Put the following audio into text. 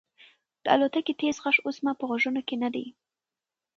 د الوتکې تېز غږ اوس زما په غوږونو کې نه دی.